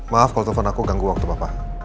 maaf kalau telepon aku ganggu waktu bapak